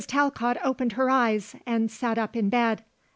Talcott opened her eyes and sat up in bed.